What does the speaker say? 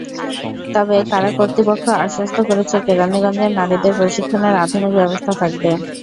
তবে কারা কর্তৃপক্ষ আশ্বস্ত করেছে, কেরানীগঞ্জে নারীদের প্রশিক্ষণের আধুনিক ব্যবস্থা থাকবে।